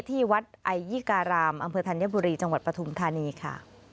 ที่วัดไอยิการามอำเภอธัญบุรีจังหวัดปฐุมธานีค่ะ